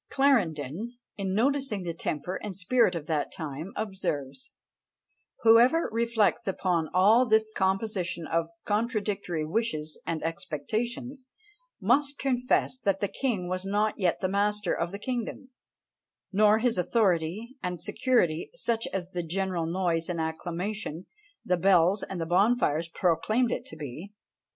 Clarendon, in noticing the temper and spirit of that time, observes, "Whoever reflects upon all this composition of contradictory wishes and expectations, must confess that the king was not yet the master of the kingdom, nor his authority and security such as the general noise and acclamation, the bells and the bonfires, proclaimed it to be."